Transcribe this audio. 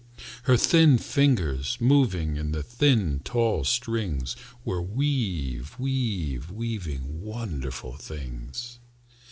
Her thin fingers, moving In the thin, tall strings, Were weav weav weaving Wonderful things.